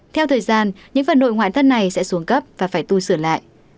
theo thời gian những phần nội ngoại thất này sẽ xuống cấp và phải tu sửa lại